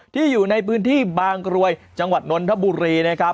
อยู่ในพื้นที่บางกรวยจังหวัดนนทบุรีนะครับ